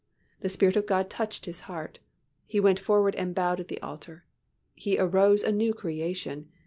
The Spirit of God touched his heart. He went forward and bowed at the altar. He arose a new creation.